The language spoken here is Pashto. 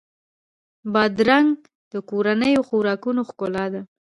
بادرنګ د کورنیو خوراکونو ښکلا ده.